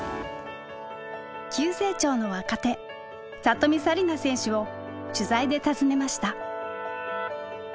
急成長の若手里見紗李奈選手を取材で訪ねました。